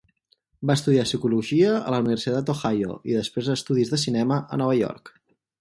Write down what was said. Va estudiar psicologia a la Universitat d'Ohio i després estudis de cinema a Nova York.